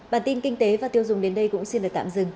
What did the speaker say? bản tin kinh tế và tiêu dùng đến đây cũng xin được tạm dừng